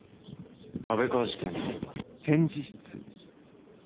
安倍川事件のことだ。